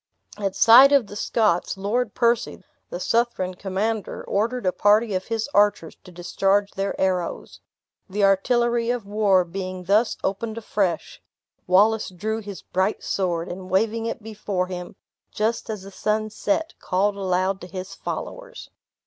At sight of the Scots, Lord Percy, the Southron commander, ordered a party of his archers to discharge their arrows. The artillery of war being thus opened afresh, Wallace drew his bright sword, and waving it before him, just as the sun set, called aloud to his followers.